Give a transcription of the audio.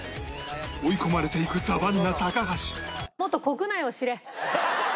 追い込まれていくサバンナ高橋